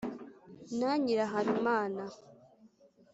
na nyirahabimana